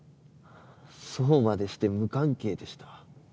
そうまでして無関係でした。